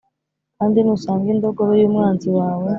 Kandi nusanga indogobe y umwanzi wawe